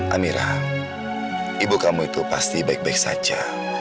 amira ibu kamu itu pasti baik baik saja